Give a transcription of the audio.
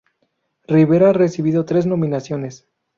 Rivera ha recibido tres nominaciones.